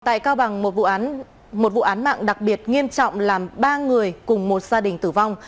tại cao bằng một vụ án mạng đặc biệt nghiêm trọng làm ba người cùng một gia đình tử vong